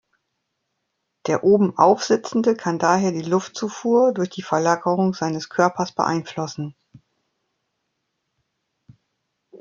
Der obenauf Sitzende kann daher die Luftzufuhr durch die Verlagerung seines Körpers beeinflussen.